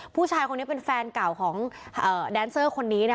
ผู้ชายคนนี้เป็นแฟนเก่าของแดนเซอร์คนนี้นะ